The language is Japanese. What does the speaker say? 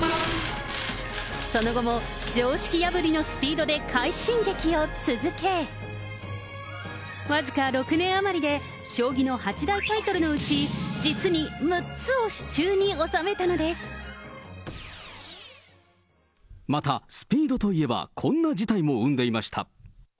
その後も常識破りのスピードで快進撃を続け、僅か６年余りで、将棋の八大タイトルのうち、またスピードといえば、こんな事態も生んでいました。